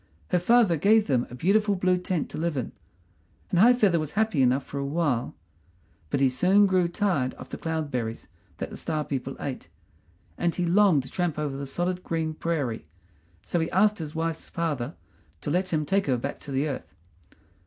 Her father gave them a beautiful blue tent to live in, and High feather was happy enough for a while; but he soon grew tired of the cloud berries that the Star people ate, and he longed to tramp over the solid green prairie, so he asked his wife's father to let him take her back to the earth.